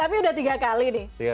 tapi udah tiga kali nih